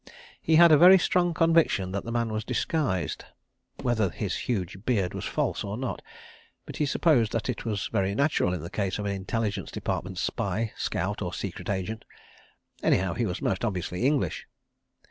He had a very strong conviction that the man was disguised (whether his huge beard was false or not), but he supposed that it was very natural in the case of an Intelligence Department spy, scout, or secret agent. Anyhow, he was most obviously English.